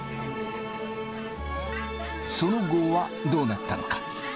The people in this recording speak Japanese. その後はどうなったのか。